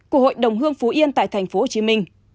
của hội đồng hương phú yên tại tp hcm